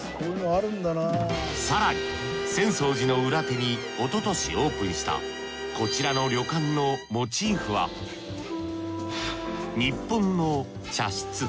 更に浅草寺の裏手におととしオープンしたこちらの旅館のモチーフは日本の茶室。